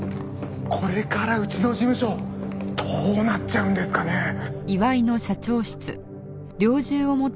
これからうちの事務所どうなっちゃうんですかね？